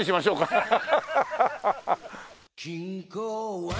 ハハハハ！